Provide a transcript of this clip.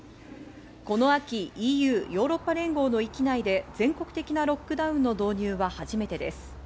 この秋、ＥＵ＝ヨーロッパ連合の域内で全国的なロックダウンの導入は初めてです。